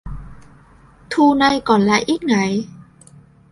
Thu nay còn lại ít ngày